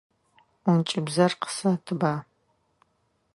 Ӏункӏыбзэр къысэтба.